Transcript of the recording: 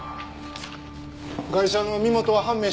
ガイシャの身元は判明したんか？